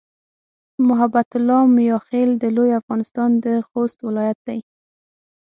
محبت الله "میاخېل" د لوی افغانستان د خوست ولایت دی.